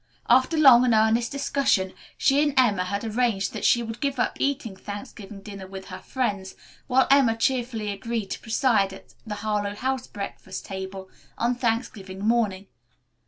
After long and earnest discussion, she and Emma had arranged that she would give up eating Thanksgiving dinner with her friends, while Emma cheerfully agreed to preside at the Harlowe House breakfast table on Thanksgiving morning.